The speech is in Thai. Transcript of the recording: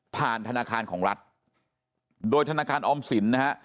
ธนาคารของรัฐโดยธนาคารออมสินนะฮะ